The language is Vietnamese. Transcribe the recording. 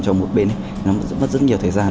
trong một bên nó mất rất nhiều thời gian